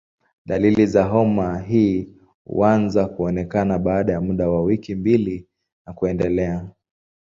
Dalili za homa hii huanza kuonekana baada ya muda wa wiki mbili na kuendelea.